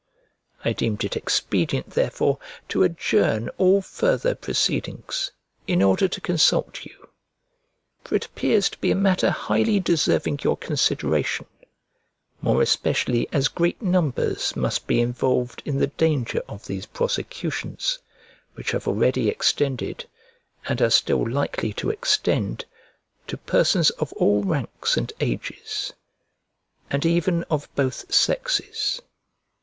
I deemed it expedient, therefore, to adjourn all further proceedings, in order to consult you. For it appears to be a matter highly deserving your consideration, more especially as great numbers must be involved in the danger of these prosecutions, which have already extended, and are still likely to extend, to persons of all ranks and ages, and even of both sexes.